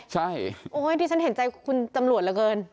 ใช่โอ้ยดิฉันเห็นใจคุณตำรวจเหลือเกิน